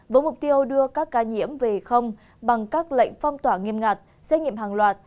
với mục tiêu đưa các ca nhiễm về không bằng các lệnh phong tỏa nghiêm ngặt xét nghiệm hàng loạt